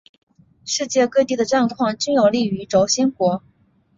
世界各地的战况均有利于轴心国。